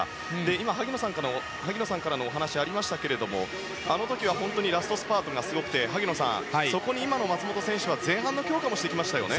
今、萩野さんからもお話がありましたがあの時は本当にラストスパートがすごくて萩野さん、そこに今の松元選手は前半の強化もしてきましたよね。